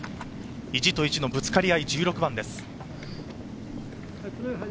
意地と意地のぶつかり合い、１６番です。